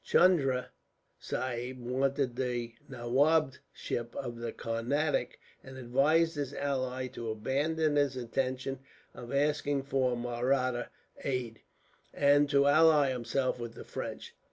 Chunda Sahib wanted the nawabship of the Carnatic, and advised his ally to abandon his intention of asking for Mahratta aid, and to ally himself with the French.